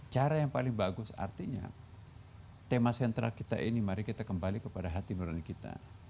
cara yang paling bagus artinya tema sentral kita ini mari kita kembali kepada hati nurani kita